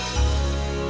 kakiku sudah sembuh tok